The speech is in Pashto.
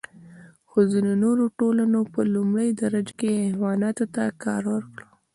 خو ځینو نوو ټولنو په لومړۍ درجه کې حیواناتو ته کار ورکړ.